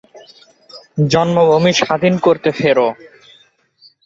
জন্মভুমি স্বাধীন করতে ফের